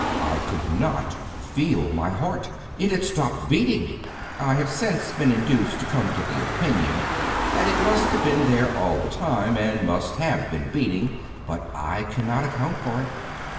I could not feel my heart. It had stopped beating. I have since been induced to come to the opinion that it must have been there all the time, and must have been beating, but I cannot account for it.